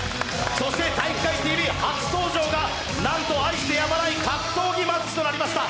そして「体育会ＴＶ」初登場が、なんと愛してやまない格闘技マッチとなりました。